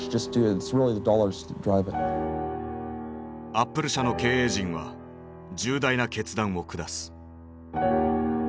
アップル社の経営陣は重大な決断を下す。